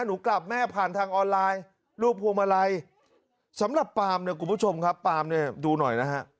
หนูกลับแม่ผ่านทางออนไลน์รูปพวงมาลัยสำหรับปามเนี่ยคุณผู้ชมครับปาล์มเนี่ยดูหน่อยนะฮะ